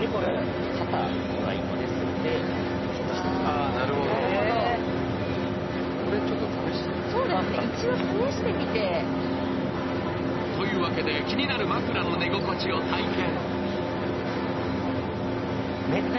大きさもあるんですけれども、これ、ちょっと試してみますというわけで、気になる枕の寝心地を体験。